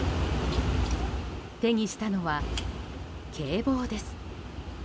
手にしたのは警棒です。